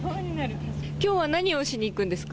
きょうは何をしに行くんですか。